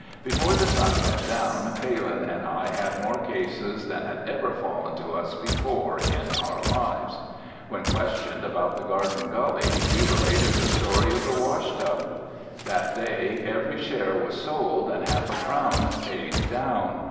Before the sun went down Phalin and I had more cases than had ever fallen to us before in our lives. When questioned about the Garden Gully we related the story of the wash tub. That day every share was sold and half a crown paid down.